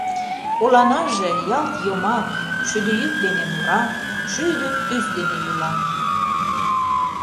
Оланаже — ялт йомак: Шӱдӧ йӱк дене мура, Шӱдӧ тӱс дене йӱла.